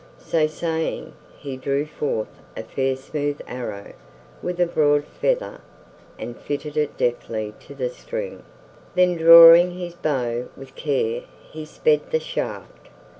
So saying, he drew forth a fair smooth arrow with a broad feather and fitted it deftly to the string, then drawing his bow with care he sped the shaft.